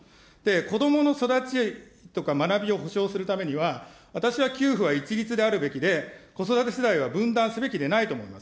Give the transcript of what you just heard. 子どもの育ちとか、学びをほしょうするためには、私は給付は一律であるべきで、子育て世代は分断すべきでないと思います。